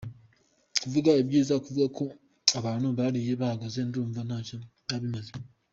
Kuvuga ibyiza, kuvuga ko abantu bariye bahaze ndumva ntacyo byaba bimaze.